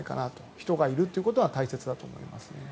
人がいるということは大切だと思いますね。